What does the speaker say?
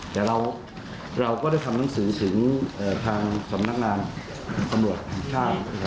แต่เราก็ได้ทำหนังสือถึงทางสำนักงานตำรวจแห่งชาติ